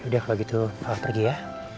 ya kalau gitu pak aku pergi ya